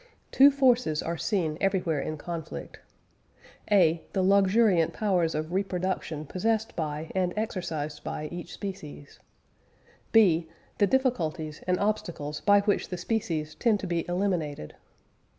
Two forces are seen everywhere in conflict: (a) the luxuriant powers of reproduction possessed by and exercised by each species; (b) the difficulties and obstacles by which the species tend to be eliminated.